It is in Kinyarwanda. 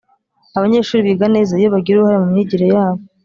Abanyeshuri biga neza iyo bagira uruhare mu myigire yabo